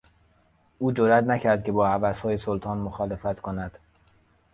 او جرات نکرد که با هوسهای سلطان مخالفت کند.